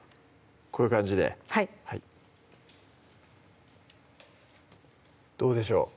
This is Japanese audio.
こういう感じではいどうでしょう